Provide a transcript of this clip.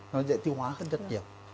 nó dễ tiêu hóa hơn rất nhiều